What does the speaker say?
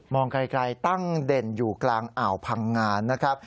ไกลตั้งเด่นอยู่กลางอ่าวพังงานนะครับ